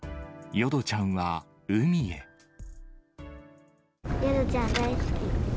淀ちゃん、大好き。